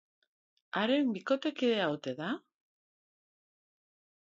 Haren bikotekidea ote da?